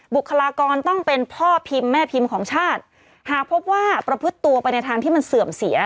บุคลากรต้องเป็นพ่อพิมพ์แม่พิมพ์ของชาติหากพบว่าประพฤติตัวไปในทางที่มันเสื่อมเสีย